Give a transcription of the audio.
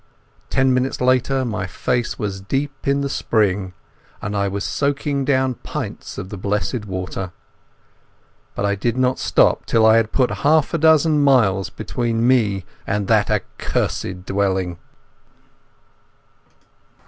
Ten minutes later my face was in the spring, and I was soaking down pints of the blessed water. But I did not stop till I had put half a dozen miles between me and that accursed dwelling.